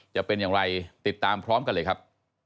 จะเป็นอย่างไรติดตามพร้อมกันเลยครับ